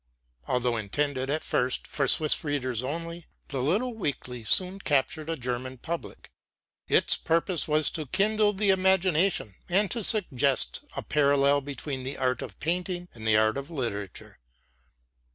Although intended at first for Swiss readers only, the little weekly soon captured a German public. Its purpose was to kindle the imagination, and to suggest a parallel between the art of painting and the art of literature.